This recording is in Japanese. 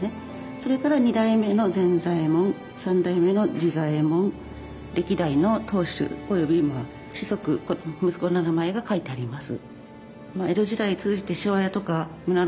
それから２代目の善左エ門３代目の治左衛門歴代の当主および子息息子の名前が書いてあります。